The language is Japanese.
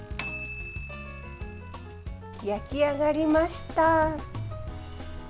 焼き上がりました。